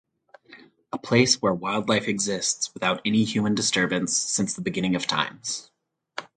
A place where wildlife exists without any human disturbance since the beginning of times.